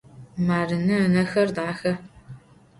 Marine ınexer daxe.